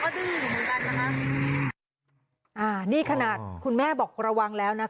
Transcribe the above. เขาก็ดื่มเหมือนกันนะคะอ่านี่ขนาดคุณแม่บอกระวังแล้วนะคะ